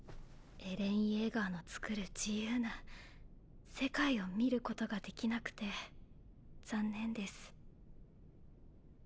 エレン・イェーガーの創る自由な世界を見ることができなくて残念です。